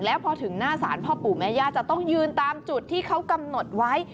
แล้วพอถึงหน้าศาลพ่อปู่แม่ย่าจะต้องยืนตามจุดที่เขากำหนดไว้